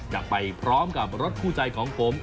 อยากไปพร้อมกับรถผู้ใจของผม